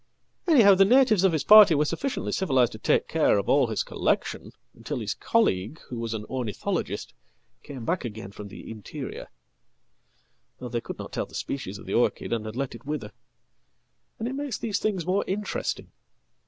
"Anyhow, the natives of his party weresufficiently civilised to take care of all his collection until hiscolleague, who was an ornithologist, came back again from the interior; though they could not tell the species of the orchid, and had let itwither. And it makes these things more interesting.""